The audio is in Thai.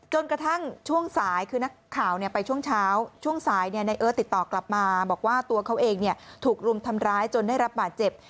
จนกระทั่งช่วงสายคือนักข่าวไปช่วงเช้าช่วงสายในเอิร์ทติดต่อกลับมาบอกว่าตัวเขาเองถูกรุมทำร้ายจนได้รับบาดเจ็บ